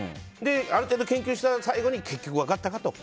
ある程度研究して最後、分かったかと。